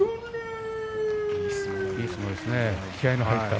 いい相撲でした。